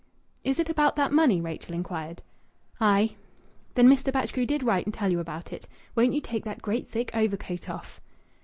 '" "Is it about that money?" Rachel inquired. "Aye!" "Then Mr. Batchgrew did write and tell you about it. Won't you take that great, thick overcoat off?"